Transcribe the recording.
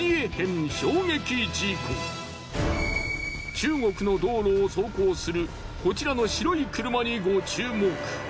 中国の道路を走行するこちらの白い車にご注目。